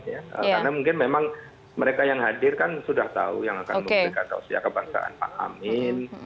karena mungkin memang mereka yang hadir kan sudah tahu yang akan menerima tausia kebangsaan pak amin